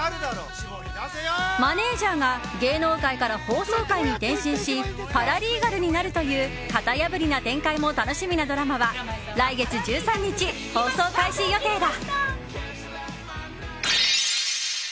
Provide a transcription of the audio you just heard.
マネジャーが芸能界から法曹界に転身しパラリーガルになるという型破りな展開も楽しみなドラマは来月１３日、放送開始予定だ。